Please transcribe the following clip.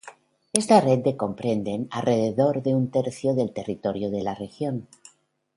Esta red de comprenden alrededor de un tercio del territorio de la región.